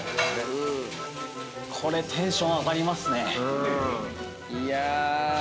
これテンション上がりますね。